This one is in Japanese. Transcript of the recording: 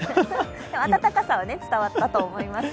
温かさは伝わったと思います。